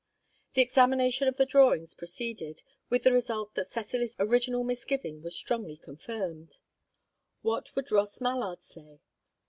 The examination of the drawings proceeded, with the result that Cecily's original misgiving was strongly confirmed. What would Ross Mallard say?